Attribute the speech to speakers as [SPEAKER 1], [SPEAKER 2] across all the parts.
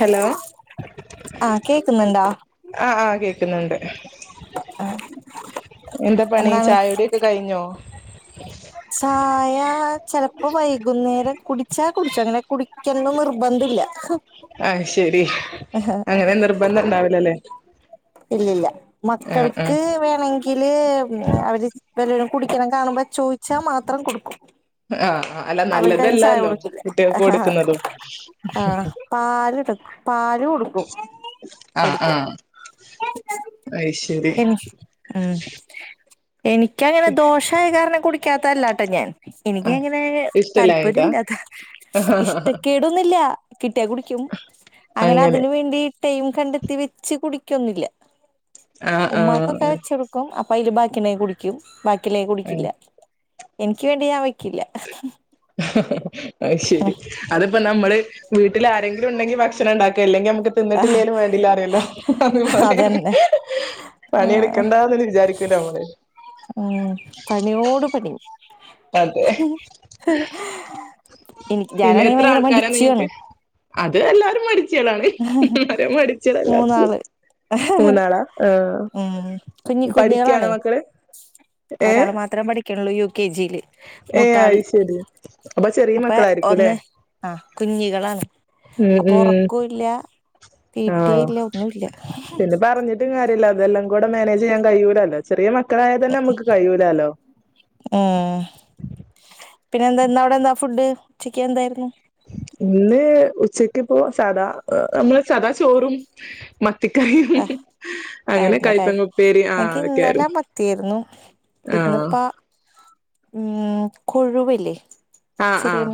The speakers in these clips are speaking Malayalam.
[SPEAKER 1] ഹലോ
[SPEAKER 2] ആഹ് കേക്കുന്നുണ്ടോ
[SPEAKER 1] ആഹ ആഹ കേക്കുന്നുണ്ട് എന്താ പണി
[SPEAKER 2] എന്താണ്
[SPEAKER 1] ചായുടിക്കെ കഴിഞ്ഞോ?
[SPEAKER 2] ചായ ചെലപ്പോ വൈകുന്നേരം കുടിച്ചാ കുടിച്ചോ അങ്ങനെ കുടിക്കണം നിർബന്ധം ഇല്ല
[SPEAKER 1] ആഹ് ശെരി അങ്ങനെ നിർബന്ധം ഇണ്ടാവുലല്ലേ
[SPEAKER 2] ഇല്ലല്ല
[SPEAKER 1] ആഹ്
[SPEAKER 2] മക്കൾക്ക് വേണെങ്കി കില് അവര് വല്ലും കുടിക്കണെ കാണുമ്പോ ചോദിച്ചാൽ മാത്രം കൊടുക്കും.
[SPEAKER 1] ആഹ് ആ് അല്ല
[SPEAKER 2] അവർക്കതിന് ചായ
[SPEAKER 1] നല്ലതല്ലല്ലോ
[SPEAKER 2] കൊടുക്കില്ല
[SPEAKER 1] കുട്ടികൾക്ക് കൊടുക്കുന്നതും
[SPEAKER 2] ആഹ് പാല് എടു പാല് കൂടും [unintelligible]
[SPEAKER 1] ആഹ്
[SPEAKER 2] അവരിക്ക്
[SPEAKER 1] ആഹ് അയ് ശരി
[SPEAKER 2] [unintelligible] ഉ എനിക്കങ്ങനെ ദോഷായെ കാരണം കുടിക്കാത്തല്ലാട്ടെ ഞാൻ എനിക്ക്
[SPEAKER 1] ആഹ്
[SPEAKER 2] അങ്ങനെ താല്പര്യ
[SPEAKER 1] ഇഷ്ടല്ലായിട്ടാ
[SPEAKER 2] ഇല്ലാതാ ഇഷ്ടക്കേടൊന്നുയില്ല കിട്ടിയാൽ കുടിക്കും. അങ്ങനെ അതിന് വേണ്ടി ടൈം കണ്ടെത്തി വെച്ച് കുടികൊന്നുയില്ല
[SPEAKER 1] ആഹ്
[SPEAKER 2] ഉമ്മാക്കൊക്കെ
[SPEAKER 1] ആഹ്
[SPEAKER 2] വെ ക്കും അപ്പ അയില് ബാക്കിണ്ടെ കുടിക്കും ബാക്കി ഇല്ലേൽ
[SPEAKER 1] ആഹ്
[SPEAKER 2] കുടിക്കില്ല. എനിക്ക് വേണ്ടി ഞാൻ വയ്ക്കില്ല
[SPEAKER 1] ആഹ് ശെരി അതിപ്പ നമ്മള് വീട്ടിൽ ആരെങ്കിലും ഉണ്ടെങ്കി ഭക്ഷണം ഉണ്ടാക്കും അല്ലെങ്കിൽ നമുക്ക് തിന്നിട്ടില്ലേലും വേണ്ടില്ല അറിയല്ലോ അതുപോലെ
[SPEAKER 2] അതന്നെ ആഹ്
[SPEAKER 1] പണിയെടുക്കേണ്ട വിചാരിക്ക [unintelligible]
[SPEAKER 2] ഉം പണിയോട് പണി
[SPEAKER 1] അതെ
[SPEAKER 2] എനിക്ക്
[SPEAKER 1] പിന്നെ
[SPEAKER 2] ഞാനാണെങ്കിൽ
[SPEAKER 1] എത്ര
[SPEAKER 2] ഭയങ്കര
[SPEAKER 1] ആൾക്കാരാ
[SPEAKER 2] മടിചിയാണ്
[SPEAKER 1] നിങ്ങക്ക് അത് എല്ലാരും മടിചികളാണ് ആരാ മടിച്ചികൾ എല്ലാത്തത്.
[SPEAKER 2] മൂന്നാള്
[SPEAKER 1] മൂന്നാളാ ആഹ
[SPEAKER 2] ഉം കുഞ്ഞി കുഞ്ഞുങ്ങളാണേ
[SPEAKER 1] പഠികാണോ മക്കള്?
[SPEAKER 2] ഒരാള് മാത്രേ പഠിക്കണളളു യു കെ ജി യിൽ
[SPEAKER 1] ഏയ് അഹ് ശെരി അപ്പൊ ചെറിയ മക്കളായിരിക്കുംല്ലെ?
[SPEAKER 2] ആഹ കുഞ്ഞികളാണ്
[SPEAKER 1] ഉം
[SPEAKER 2] അപ്പൊ
[SPEAKER 1] ഉം
[SPEAKER 2] ഉറക്കം ഇല്ല. തീറ്റയും
[SPEAKER 1] ആഹ്
[SPEAKER 2] ഇല്ല ഒന്നുല്ല
[SPEAKER 1] പിന്നെ പറഞ്ഞിട്ടും കാര്യയില്ല അതെല്ലാം കൂടെ മാനേജ് ചെയ്യാൻ കഴിയൂലല്ലോ ചെറിയ മക്കളായ തന്നെ നമക്ക് കഴൂലല്ലോ
[SPEAKER 2] ഉം പിന്നെ എന്താ ഇന്ന് അവിടെ എന്താ ഫുഡ്? ഉച്ചക്ക് എന്തായിരുന്നു?
[SPEAKER 1] ഇന്ന് ഉച്ചക്കിപ്പോ സദാ നമ്മള് സദാ ചോറും മത്തിക്കറീം
[SPEAKER 2] ആഹ്
[SPEAKER 1] അങ്ങനെ
[SPEAKER 2] ആയിരുന്നല്ലേ
[SPEAKER 1] കയ്പ്പങ്ങ ഉപ്പേരി ആഹ് അതൊക്കൊയാരുന്നു.
[SPEAKER 2] ഇന്ന്പ്പം ഉം കൊഴുവല്ലേ
[SPEAKER 1] ആഹ് ആഹ്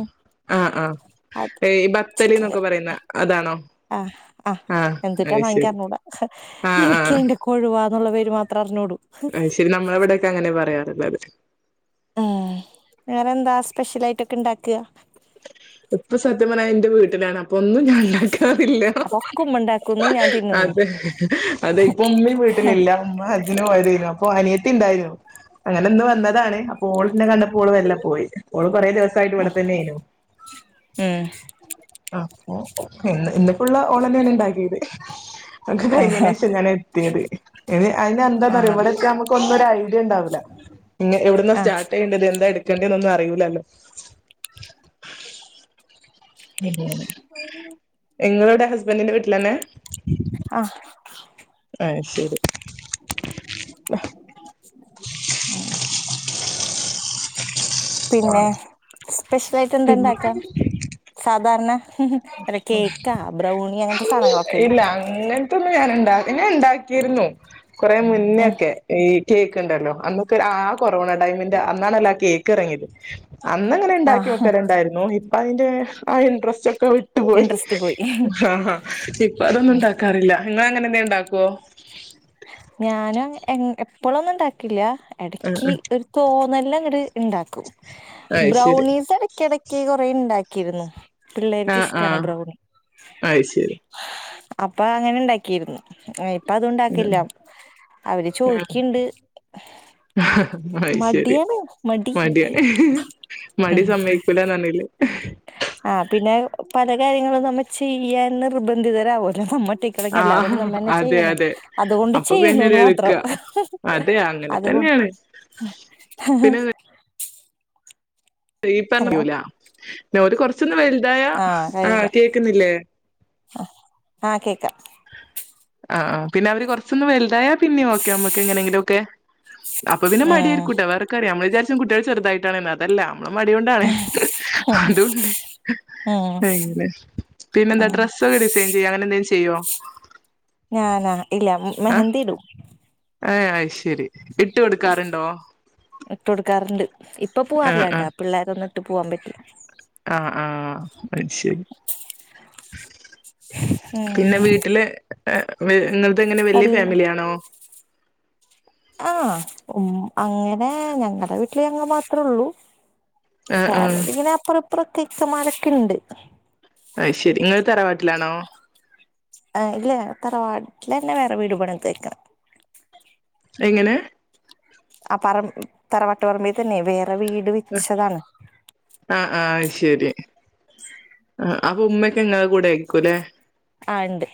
[SPEAKER 1] ആഹ് ആഹ്
[SPEAKER 2] അത്
[SPEAKER 1] എയ്
[SPEAKER 2] ചിക്കൻ
[SPEAKER 1] ബത്തല്ന്നൊക്കെ
[SPEAKER 2] കറി
[SPEAKER 1] പറയുന്ന അതാണോ?
[SPEAKER 2] ആഹ് ആഹ്
[SPEAKER 1] ആ
[SPEAKER 2] എന്ത്ട്ടാ
[SPEAKER 1] അത് ശരി
[SPEAKER 2] വാങ്ങിക്ക്യാറിഞ്ഞൂട
[SPEAKER 1] ആ ആ
[SPEAKER 2] എനിക്കയിന്റെ കൊഴുവാന്നുള്ള പേര് മാത്രം അറിഞ്ഞൂടൂ
[SPEAKER 1] അയ്ശരി നമ്മളെവിടെക്കെ അങ്ങനെ പറയാറിള്ളത്
[SPEAKER 2] ഏഹ് വെറെന്താ സ്പെഷ്യലായിട്ടൊക്കെ ഇണ്ടാക്ക്വാ?
[SPEAKER 1] ഇപ്പൊ സത്യം പറഞ്ഞ ഇന്റെ വീട്ടിലാണ് അപ്പൊ ഒന്നും ഞാൻ ഇണ്ടാക്കാറില്ല
[SPEAKER 2] ക്കുമ്മണ്ടാ
[SPEAKER 1] അതെ അതെ ഇപ്പൊ ഉമ്മിം വീട്ടിലില്ല ഉമ്മ ഹജ്ജിന് പോയതേനു. പ്പൊ അനിയത്തി ഇണ്ടായ്നു. അങ്ങനെ ഇന്നു വന്നതാണ് അപ്പോ ഓള് ഇന്നെ കണ്ടപ്പോ ഓള് വെല്ലെ പോയി ഓള് കുറേ ദിവസായിട്ട് ഇവടെ തന്നേനു.
[SPEAKER 2] ഏഹ്
[SPEAKER 1] ആഹ് ഓഹ് ഇന്ന് ഇന്ന് ഫുള്ള് ഓളന്നെയാണ് ഇണ്ടാക്കിയത്. ഒക്കെ
[SPEAKER 2] ആഹ്
[SPEAKER 1] കഴിഞ്ഞേന് ശേഷാ ഞാൻ എത്തിയത് അയ്ന് അയ്നെന്താന്നറിയോ
[SPEAKER 2] ആഹ്
[SPEAKER 1] ഇവിടൊക്കെ നമ്മു ക്കൊന്നും ഒരു ഐഡിയ ഇണ്ടാവൂല്ല ഇങ്ങ് എവിടന്നാ
[SPEAKER 2] ആഹ്
[SPEAKER 1] സ്റ്റാർട്ട് ചെയ്യേണ്ടത് എന്താ എടുക്കണ്ട്യേന്നൊന്നും അറിയൂല്ലല്ലോ. [unintelligible] ഇങ്ങളെവിടെ ഹസ്ബൻറിന്റെ വീട്ടിലന്നെ?
[SPEAKER 2] ആഹ്
[SPEAKER 1] അയ്ശരി.
[SPEAKER 2] പിന്നെ സ്പെഷ്യലായിട്ട്
[SPEAKER 1] പി
[SPEAKER 2] എന്താണ്ടാക്ക്വാ? സാധാരണ അല്ല കേക്കാ ബ്രൗണി അങ്ങനത്തെ സാധങ്ങളൊക്കെയില്ലെ.
[SPEAKER 1] അങ്ങൻത്തൊന്നും ഞാൻ ഇണ്ട ഞാൻ ഇണ്ടാക്കിരുന്നു കൊറെ
[SPEAKER 2] ഉം
[SPEAKER 1] മുന്നെയൊക്കെ. ഈ കേക്കിണ്ടല്ലോ അന്നൊക്കെ ആഹ് കൊറോണ ടൈമിന്റെ അന്നാണല്ലോ ആ കേക്ക് ഇറങ്ങിയത്. അന്നങ്ങനെ ഇണ്ടാക്കി
[SPEAKER 2] ആഹ്
[SPEAKER 1] വെക്കലുണ്ടായിരുന്നു ഇപ്പ അതിന്റെ ആ ഇൻട്രസ്റ്റ് ഒ ക്കെ വിട്ടുപോയി
[SPEAKER 2] ഇൻട്രസ്റ്റ് പോയി
[SPEAKER 1] ഹാഹാ ഇപ്പൊ
[SPEAKER 2] ഉം
[SPEAKER 1] അതൊന്നുണ്ടാക്കാറില്ല നിങ്ങളങ്ങനെ എന്തേ ണ്ടാക്കോ?
[SPEAKER 2] ഞാനും അങ്ങ എങ് എപ്പളൊന്നും ഇണ്ടാക്കില്ല
[SPEAKER 1] ആഹ്
[SPEAKER 2] എടക്ക് ഒരു തോന്നലിലങ്ങട് ഇണ്ടാക്കും
[SPEAKER 1] ആഹ് അത് ശരി
[SPEAKER 2] ബ്രൗണീസെട ക്കെടക്ക് കൊറെ ഇണ്ടാക്കിയിരുന്നു പിള്ളേർക്ക്
[SPEAKER 1] ആഹ്
[SPEAKER 2] ഇഷ്ടാണ്
[SPEAKER 1] ആഹ്
[SPEAKER 2] ബ്രൗണി.
[SPEAKER 1] അത് ശരി
[SPEAKER 2] അപ്പൊ അങ്ങനെണ്ടാക്കിരുന്നു ഇപ്പ അതും ഉണ്ടാക്കില്ല.
[SPEAKER 1] ആഹ്
[SPEAKER 2] അവര് ചോയിക്കിണ്ട്.
[SPEAKER 1] അയ്ശരി.
[SPEAKER 2] മടി
[SPEAKER 1] മടിയാലേ. മടി സമ്മയ്ക്കൂലാന്നർഞ്ഞിലേ
[SPEAKER 2] ആഹ് പിന്നെ പല കാര്യങ്ങളും നമ്മ ചെയ്യാൻ നിർബന്ധിതരാവോലോ നമ്മട്ടി ക്കളെങ്ങി എല്ലാ
[SPEAKER 1] ആഹ്
[SPEAKER 2] പണീം നമ്മളന്നെ
[SPEAKER 1] അതെ
[SPEAKER 2] ചെയ്യണം.
[SPEAKER 1] അതെ
[SPEAKER 2] അതുകൊണ്ട്
[SPEAKER 1] അപ്പൊ പിന്നെത്
[SPEAKER 2] ചെയ്യുന്നൂന്ന്
[SPEAKER 1] എടുക്ക
[SPEAKER 2] മാത്രം
[SPEAKER 1] അതെ അങ്ങനെ
[SPEAKER 2] അതുകൊ
[SPEAKER 1] തന്നെയാണ് പിന്നെ [unintelligible]
[SPEAKER 2] ഹലോ
[SPEAKER 1] അറിയൂല പിന്നോല് കൊറച്ചൊന്ന് വലുതായ, ആഹ് കേക്കുന്നില്ലേ?
[SPEAKER 2] ആഹ് കേക്കാ.
[SPEAKER 1] ആഹ് പിന്നെ അവര് കൊറച്ചൊന്ന് വലുതായ പിന്നിം ഓക്കെ നമ്മക്കെങ്ങനെങ്കിലു ഒക്കെ അപ്പൊ പിന്നെ
[SPEAKER 2] ഉം
[SPEAKER 1] മടിയായിരിക്കൂട്ടൊ വേറെക്കാര്യം നമ്മള് വിചാരിച്ചും കുട്ട്യേൾ ചെറുതായിട്ടാണ്ന്നാ അതല്ല നമ്മളെ മടി കൊണ്ടാണ് അതൂണ്ട്.
[SPEAKER 2] ഉം
[SPEAKER 1] അങ്ങനെ. പിന്നെന്താ
[SPEAKER 2] ഉം
[SPEAKER 1] ഡ്രസ്സൊക്കെ ഡിസൈൻ ചെയ്യോ അങ്ങനെ എന്തേം ചെയ്യോ?
[SPEAKER 2] ഞാനാ ഇല്ല
[SPEAKER 1] ആഹ്
[SPEAKER 2] മെഹന്ദിടും.
[SPEAKER 1] ഏഹ് അയ്ശരി ഇട്ട് കൊടുക്കാറുണ്ടോ?
[SPEAKER 2] ഇട്ട് കൊടുക്കാറുണ്ട് ഇപ്പൊ
[SPEAKER 1] ആഹ്
[SPEAKER 2] പോവാറില്ലട്ടാ
[SPEAKER 1] ആഹ്
[SPEAKER 2] പിള്ളേരൊന്നിട്ട് പോവാൻ പറ്റില്ല.
[SPEAKER 1] ആഹ് ആഹ് അത് ശരി.
[SPEAKER 2] ഉം
[SPEAKER 1] പിന്നെ വീട്ടില് എ വെ നിങ്ങളത് എങ്ങനെ വല്യ
[SPEAKER 2] അല്ല
[SPEAKER 1] ഫാമിലിയാണോ?
[SPEAKER 2] ആഹ് ഉം അങ്ങനെ ഞങ്ങടെ വീട്ടില് ഞങ്ങള് മാത്രേള്ളൂ
[SPEAKER 1] ആ ആ
[SPEAKER 2] ഫാമിലി ഇങ്ങനെ അപ്പറ ഇപ്പറം ഇക്കമാരൊക്കെ ഉണ്ട്
[SPEAKER 1] അയ് ശെരി നിങ്ങ തറവാട്ടിലാണോ
[SPEAKER 2] ആഹ് ഇല്ല തറവാട്ടില തന്നെ വേറെ വീട് പണുതേക്കണേ
[SPEAKER 1] എങ്ങനെ
[SPEAKER 2] ആ പറമ്പ തറവാട്ടു പറമ്പിൽ തന്നെയ വേറെ വീട് വച്ചതാണ്
[SPEAKER 1] ആഹ് ആഹ്ശരി ആ അപ്പ ഉമ്മക്കെ നിങ്ങടെ കൂടെ ആയക്കുംല്ലേ
[SPEAKER 2] ആഹ് ഇണ്ട്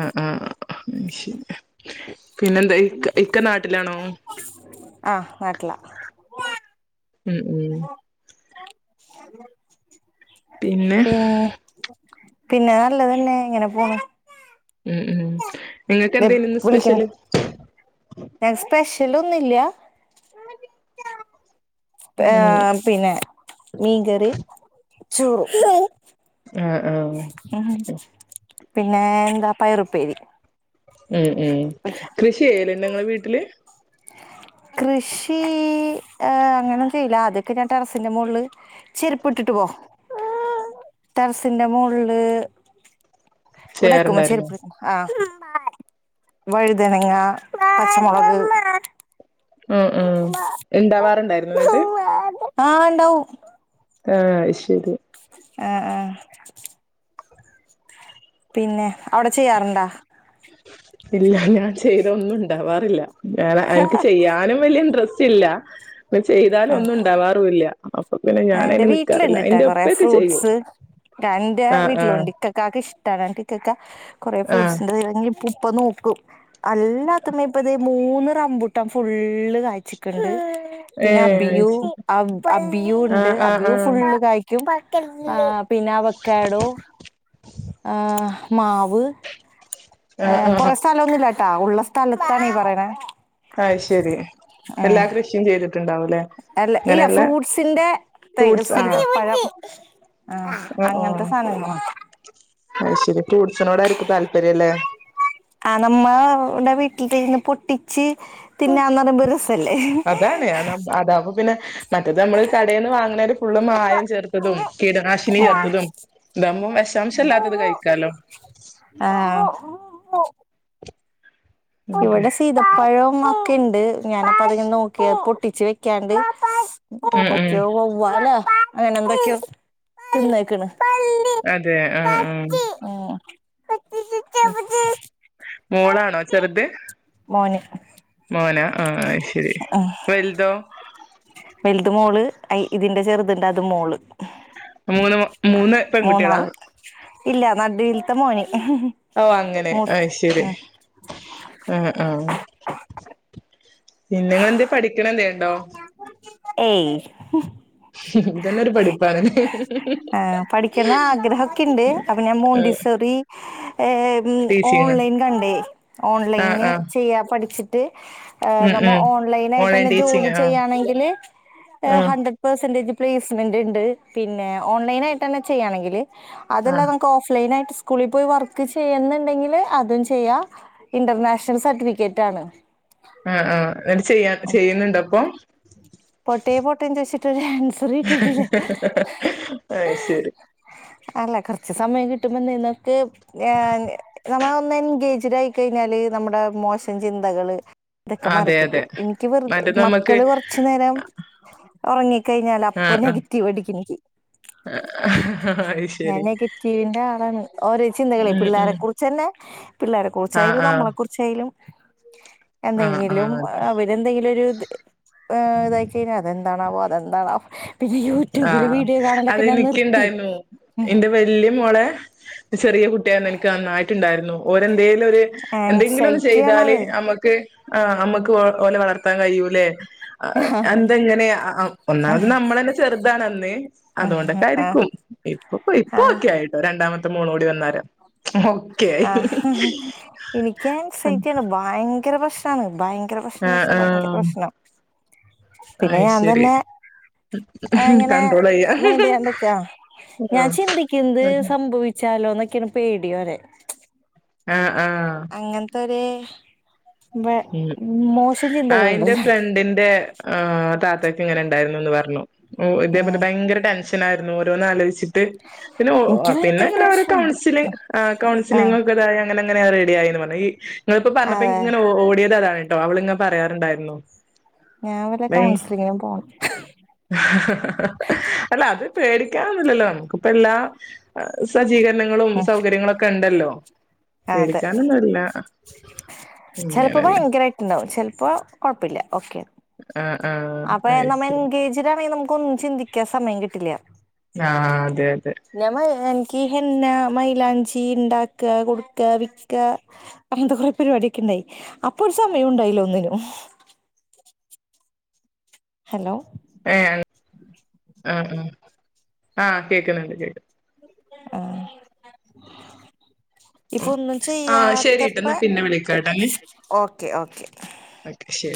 [SPEAKER 1] ആഹ് ആഹ് ശരി പിന്നെന്തേയ് ഇക്കെ നാട്ടിലാണോ
[SPEAKER 2] ആഹ് നാട്ടിലാ
[SPEAKER 1] ഉം ഉം പിന്നെ
[SPEAKER 2] പി പിന്നെ നല്ലതന്നെ ഇങ്ങനെ പോണ്
[SPEAKER 1] ഉം ഉം നിങ്ങൾക്ക്
[SPEAKER 2] ദെ
[SPEAKER 1] എന്തേനു
[SPEAKER 2] പ്പ
[SPEAKER 1] ഇന്ന്
[SPEAKER 2] വിളിക്കണ്
[SPEAKER 1] സ്പെഷ്യല്
[SPEAKER 2] ഞാൻ സ്പെഷ്യൽ ഒന്നുല്ല
[SPEAKER 1] ഉം
[SPEAKER 2] ഏ പിന്നെ മീൻകറി ചോറും
[SPEAKER 1] ആഹ് ആഹ്
[SPEAKER 2] ഉ പിന്നെ എന്താ പയറുപ്പേരി
[SPEAKER 1] ഉം ഉം കൃഷി ചെയ്യലുണ്ടോ നിങ്ങള് വീട്ടില്
[SPEAKER 2] കൃഷി അങ്ങനും ചെയ്ല്ല അദ്യക്കെ ഞാൻ ടെറസിന്റെ മുകളിൽ ചെരിപ്പ് ഇട്ടിട്ട് പോ ടറസിന്റെ മോള്ള് ഉടക്കുമ
[SPEAKER 1] ചെയ്യാറുണ്ടായിരുന്നോ
[SPEAKER 2] ശരിപ്പിക്ക [unintelligible] ആഹ് വഴുതനങ്ങ പച്ചമുളക്
[SPEAKER 1] ഉ ഉം ഉണ്ടാവാറുണ്ടായിരുന്നു എന്നിട്ട്
[SPEAKER 2] ആഹ് ഉണ്ടാവും
[SPEAKER 1] ആഹ് അയ് ശരി
[SPEAKER 2] ആഹ് ആഹ് പിന്നെ അവിടെ ചെയ്യാറുണ്ടാ
[SPEAKER 1] ഉ [inaudible] ഇല്ല ഞാൻ ചെയ്ത ഒന്നും ഉണ്ടാവാറില്ല ഞൻ എനിക്ക് ചെയ്യാനും വലിയ ഇന്റ്രസ്റ്റ് ഇല്ല അ ചെയ്താല
[SPEAKER 2] ആഹ്
[SPEAKER 1] ഒന്നും ഉണ്ടാവാറുമില്ല അപ്പൊ പിന്നെ
[SPEAKER 2] എന്റെ
[SPEAKER 1] ഞാനയിന് നിക്കാറില്ല എന്റെ ഉപ്പയൊക്കെ ചെയ്യും
[SPEAKER 2] എൻന്റെ
[SPEAKER 1] ആ ആ
[SPEAKER 2] വീട്ടിലോണ്ട് ഇക്ക ഇക്കക്ക് ഇഷ്ടമാണ് ഇക്കക്ക കുറെ
[SPEAKER 1] ആ
[SPEAKER 2] ഫ്രൂട്ട്സിന്റെ റങ്ങി ഉപ്പ നോക്കും അല്ലാത്ത്മ ഇപ്പത മൂന്ന് റമ്പുട്ടം ഫുള്ള് കായ്ച്ചിക്കുണ്ട്
[SPEAKER 1] ഏ
[SPEAKER 2] പിന്നെ അബിയു
[SPEAKER 1] അയ്ശരി
[SPEAKER 2] അബിയു
[SPEAKER 1] ആ
[SPEAKER 2] ഉണ്ട്
[SPEAKER 1] ആ ആ
[SPEAKER 2] അബിയു ഫുള്ള് കായ്ക്കും പിന്നെ അവ കേടോ മാവ്
[SPEAKER 1] ആ
[SPEAKER 2] ഏ
[SPEAKER 1] ആ
[SPEAKER 2] കൊറെ സ്ഥലംന്നുമില്ലാട്ടാ ഉള്ള സ്ഥലത്തണീ പറയണ
[SPEAKER 1] ആയ് ശരി എല്ലാ കൃഷിയും ചെയ്തിട്ടുണ്ടാവൂല്ലേ
[SPEAKER 2] അല്ല ഇല്ല
[SPEAKER 1] അങ്ങനെയുള്ള
[SPEAKER 2] ഫ്രൂട്ട്സിന്റെ
[SPEAKER 1] ഫ്രൂട്ട്സ് ആ
[SPEAKER 2] സീതപ്പഴം ആഹ് അങ്ങനത്തെ സാനങ്ങള് മാത്രം
[SPEAKER 1] അയ് ശരി ഫ്രൂട്സിനോട ആരിക്കും താല്പര്യംല്ലേ
[SPEAKER 2] ആ നമ്മടെ വീട്ടിൽ തന്ന് പൊട്ടിച്ച് തിന്നന്ന് പറയുമ്പോ ഒരു രസ
[SPEAKER 1] അതാണ് അതാവ്പ പിന്നെ മറ്റത് നമ്മള് കടയിൽന്ന് വാങ്ങണല് ഫുള്ള് മായം ചേർത്തതും കീടനാശിനി
[SPEAKER 2] ആഹ്
[SPEAKER 1] ചേർത്തതും ഇതാവകുമ്പോം വിശാംശം ഇല്ലാത്തത് കഴിക്കാലോ
[SPEAKER 2] ആഹ്
[SPEAKER 1] അതെ
[SPEAKER 2] ഇവിടെ സീതപ്പഴം ഒക്കെ ഉണ്ട് ഞാനിപ്പോ അതി നോക്കിയ പൊട്ടിച്ചു വെക്കാണ്ട്
[SPEAKER 1] ഉം ഉം
[SPEAKER 2] എന്തൊക്കെയോ വവ്വാല അങ്ങനെ എന്തൊക്കെയോ തിന്നേക്കണ്
[SPEAKER 1] അതെ ആഹ് ആഹ്
[SPEAKER 2] ആഹ്
[SPEAKER 1] മോളാണോ ചെറുത്
[SPEAKER 2] മോന്
[SPEAKER 1] മോനാ ആ ശരി വൽതോ
[SPEAKER 2] വൽത് മോള് അ ഇതിന്റെ ചെർത്ണ്ട് അത് മോള്
[SPEAKER 1] മൂന്ന് മൂന്ന് പെൺകുട്ടികളാ
[SPEAKER 2] മൂന്നാള് ഇല്ല നടൂൽത്ത മോനി
[SPEAKER 1] ഓ അങ്ങനെ അയ് ശരി ആഹ് ആ ഹ് പിന്നെ ങ്ങളന്തേ പഠിക്കിണേന്തേണ്ടോ
[SPEAKER 2] ഏയ്
[SPEAKER 1] ഇതന്നെ ഒരു പഠിപ്പാണല്ലേ
[SPEAKER 2] ആ പഠിക്കുന്ന ആഗ്രഹൊക്കെണ്ട് അപ്പൊ ഞാൻ മോണ്ടിസോറി
[SPEAKER 1] ടീച്ചിങ്
[SPEAKER 2] ഓൺലൈൻ കണ്ടേ
[SPEAKER 1] ആഹ്
[SPEAKER 2] ഓൺലൈന്
[SPEAKER 1] ആഹ്
[SPEAKER 2] ചെയ്യാ പഠിച്ചിട്ട്
[SPEAKER 1] ഉം
[SPEAKER 2] നമ്മൾ
[SPEAKER 1] ഉം ഓൺലൈൻ
[SPEAKER 2] ഓൺലൈയിട്ട്ന്നെ
[SPEAKER 1] ടീച്ചിങ്
[SPEAKER 2] ജോലി
[SPEAKER 1] ആഹ്
[SPEAKER 2] ചെയ്യാണെങ്കിൽ
[SPEAKER 1] ആഹ്
[SPEAKER 2] ഹൺഡ്രട് പെർസെന്റേജ് പ്ലേസ്മെന്റ്ണ്ട് പിന്നെ ഓൺലൈനായിട്ട് തന്നെ ചെയ്യാണെങ്കിൽ
[SPEAKER 1] ആഹ്
[SPEAKER 2] അതെല്ലാമ്മക്ക് ഓഫ് ലൈനായിട്ട് കൂളിൽ പോയി വർക്ക് ചെയ്യുന്നുണ്ടെങ്കിൽ അതും ചെയ്യാ ഇന്റർനാഷണൽ സർട്ടിഫിക്കറ്റാണ്
[SPEAKER 1] ആഹ് ആഹ് എന്നിട്ട് ചെയ്യ ചെയ്യുന്നുണ്ട്പ്പൊ
[SPEAKER 2] പോട്ടേ പോട്ടേന്ന് ചോയിച്ചിട്ട് ആൻസറ് കിട്ടിട്ടില്ല
[SPEAKER 1] അത് ശരി
[SPEAKER 2] അല്ല കുറച്ച് സമയം കിട്ടുമ്പോനക്ക് നമ്മന്ന് എൻഗേജഡായി കഴിഞ്ഞാൽ നമ്മുടെ മോശം ചിന്തകള് തൊക്കെ
[SPEAKER 1] അതെ അതെ
[SPEAKER 2] മാറിക്കിട്ടും എനിക്ക് വെറുതെ
[SPEAKER 1] മറ്റേ നമ്മക്ക്
[SPEAKER 2] മക്കള് കൊർച്ച് നേരം ഉറങ്ങി കഴിഞ്ഞാൽ
[SPEAKER 1] ആ
[SPEAKER 2] അപ്പ
[SPEAKER 1] ആ
[SPEAKER 2] നെഗറ്റീവ് അടിക്കും എനിക്ക് ഞാൻ
[SPEAKER 1] അയ്ശരി
[SPEAKER 2] നെഗറ്റീവിന്റെ ആളാണ് ഓരോ ചിന്തകളെ
[SPEAKER 1] ഉം
[SPEAKER 2] പിള്ളേരെ
[SPEAKER 1] ഉം
[SPEAKER 2] കുറിച്ച് ചെന്നെ പിള്ളേരെ
[SPEAKER 1] ആ
[SPEAKER 2] കുറിച്ചായാലും
[SPEAKER 1] ആ
[SPEAKER 2] നമ്മളെ കുറിച്ചായാലും
[SPEAKER 1] ആ
[SPEAKER 2] എന്തെയ്യലും
[SPEAKER 1] ആ
[SPEAKER 2] അവര് എന്തെങ്കിലും ഒരു ഇതാക്കി കഴിഞ്ഞാ അതെന്താണാവോ അതെന്താണാവോ പിന്നെ യൂട്യൂബില്
[SPEAKER 1] ആഹ്
[SPEAKER 2] വീഡിയോ കാണലൊക്കെ ഞാൻ നിർത്തി ഉ
[SPEAKER 1] ല്ല്യ മളെ ചെറിയ കുട്ടിയനിക്ക് നന്നായിട്ടുണ്ടായിരുന്നു ഓലന്തേലൊ രു എന്തെങ്കിലും ഒന്ന്
[SPEAKER 2] ആൻസൈറ്റി
[SPEAKER 1] ചെയ്താല്
[SPEAKER 2] ആണത്
[SPEAKER 1] അമ്മക്ക് ആ നമ്മക്ക് ഓലെ വളർത്താൻ കഴിയൂല്ലേ എന്തെങ്ങനെയാ ഒന്നാമത് നമ്മള ന്നെ ചെറുതാണന്ന്
[SPEAKER 2] ആഹ്
[SPEAKER 1] അതുകൊണ്ടൊക്കെയിരിക്കും ഇപ്പ
[SPEAKER 2] ആഹ്
[SPEAKER 1] ഇപ്പൊക്കെ ആയിട്ടോ രണ്ടാമത്തെ മോളൂടി വന്നാരെ
[SPEAKER 2] ആഹ് എനിക്കൻ സൈറ്റാണ് ഭയങ്കര പ്രശ്നാണ് ഭയങ്കര പ്ര ന്ന്
[SPEAKER 1] ആഹ്
[SPEAKER 2] വെച്ചാ ഭയങ്കര
[SPEAKER 1] ആഹ്
[SPEAKER 2] പ്രശ്നം പിന്നെ ഞാൻ
[SPEAKER 1] അയ്ശരി
[SPEAKER 2] തന്നെ അങ്ങനെ
[SPEAKER 1] കണ്ട്രോൾ ചെയ്യാ
[SPEAKER 2] മൈൻ്റ് ചെയ്യാണ്ടെച്ചെ ഞാൻ
[SPEAKER 1] ആഹ്
[SPEAKER 2] ചിന്തിക്കുന്നത് സംഭവിച്ചു ചലോ ന്നൊക്കെയാണ് പേടിയോ ലെ
[SPEAKER 1] ആഹ് ആഹ്
[SPEAKER 2] അങ്ങൻത്തൊര്
[SPEAKER 1] ഉ ആ എന്റെ
[SPEAKER 2] ചിന്തകളുണ്ടല്ലോ
[SPEAKER 1] ഫ്രണ്ടിന്റെ ആഹ് താത്തക്ക്ങ്ങനെണ്ടായിരുന്നുന്ന് പറഞ്ഞു ഇതേപോലെ
[SPEAKER 2] ഉം
[SPEAKER 1] ഭയങ്കര ടെൻഷനായിരുന്നു ഓരോന്ന് ആലോചിച്ചിട്ട പിന്നെ
[SPEAKER 2] എനിക്ക് ഭയങ്കര
[SPEAKER 1] പിന്നെങ്ങന ഓരോ
[SPEAKER 2] ടെൻഷനാ
[SPEAKER 1] കൗൺസില് ആ
[SPEAKER 2] ആഹ്
[SPEAKER 1] കൗൺസിലിങ്ങക്കെ ഇതായ അങ്ങനെങ്ങനെയ റെഡി ആയിന്ന് പറഞ്ഞ ങ്ങള്പ്പ
[SPEAKER 2] അതെ
[SPEAKER 1] പറഞ്ഞപ്പോെ ഓ [unintelligible] ട്ടോ അവളിങ്ങനെ പറയാറുണ്ടായിരുന്നു
[SPEAKER 2] ഞാൻ വല്ല
[SPEAKER 1] ഭയ
[SPEAKER 2] കൗൺസിലിങ്ങിനും പോണം
[SPEAKER 1] അല്ല അത് പേടിക്കാനൊന്നില്ലല്ലോ നമുക്കിപ്പ എല്ലാം സജ്ജീകരണങ്ങളും
[SPEAKER 2] ഉം
[SPEAKER 1] സൗകര്യങ്ങളൊക്കെണ്ടല്ലോ
[SPEAKER 2] അതെ
[SPEAKER 1] പേടിച്ചാനൊന്നുംല്ല ഇങ്ങന
[SPEAKER 2] നാവു ചെൽപ്പോ കുഴപ്പല്ല ഓക്കെ
[SPEAKER 1] ആഹ് ആഹ്
[SPEAKER 2] അപ്പൊ
[SPEAKER 1] അത്
[SPEAKER 2] നമ്മ
[SPEAKER 1] ശരി
[SPEAKER 2] എൻഗേജ്ഡാണെ നമുക്ക് ഒന്നും ചിന്തിക്കാൻ സമയം കിട്ടില്ല
[SPEAKER 1] ലാ അതെ അതെ
[SPEAKER 2] ഞൻ മ എനിക്ക് ഹെന്ന മൈലാഞ്ചി ണ്ടാക്ക കൊടുക്ക വിക്കാ അങ്ങനത്തെ കൊറെ പരിപാടിയൊക്കെണ്ടായി അപ്പൊ ഒരു സമയണ്ടായില്ലാ ഒന്നിനും ഹലോ
[SPEAKER 1] ഏഹ് ആഹ് ആഹ് ആഹ് കേക്കുന്നുണ്ട് കേക്കുന്നു
[SPEAKER 2] ആഹ് ഇപ്പൊ ഒന്നും
[SPEAKER 1] ആഹ് ശരിട്ടോ
[SPEAKER 2] ചെയ്യാത്തപ്പ
[SPEAKER 1] എന്നാ പിന്നെ വിളിക്കാട്ടന്നെ
[SPEAKER 2] ഓക്കെ ഓക്കെ
[SPEAKER 1] അക്ഷെ